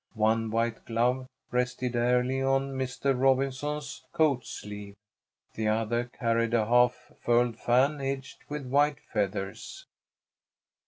One white glove rested airily on "Mistah Robinson's" coat sleeve, the other carried a half furled fan edged with white feathers.